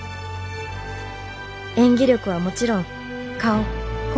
演技力はもちろん顔声